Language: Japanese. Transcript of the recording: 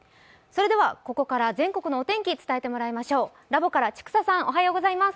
それではここから全国のお天気伝えてもらいましょう。